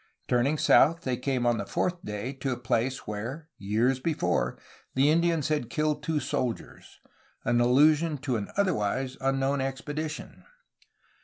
Turning south they came on the fourth day to a place where, years before, the Indians had killed two soldiers, — an allusion to an otherwise unknown expedition.